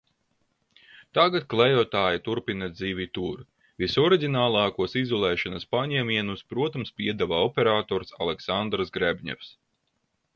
Tagad Klejotāji turpina dzīvi tur. Visoriģinālākos izolēšanās paņēmienus, protams, piedāvā operators Aleksandrs Grebņevs.